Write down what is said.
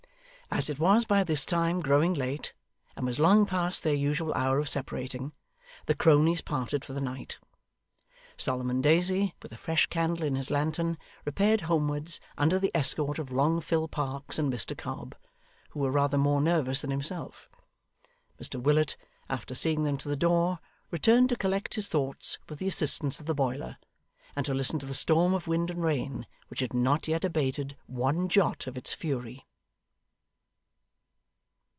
As it was by this time growing late, and was long past their usual hour of separating, the cronies parted for the night. Solomon Daisy, with a fresh candle in his lantern, repaired homewards under the escort of long Phil Parkes and Mr Cobb, who were rather more nervous than himself. Mr Willet, after seeing them to the door, returned to collect his thoughts with the assistance of the boiler, and to listen to the storm of wind and rain, which had not yet abated one jot of its fury.